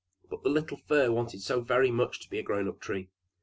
But the little Fir wanted so very much to be a grown up tree.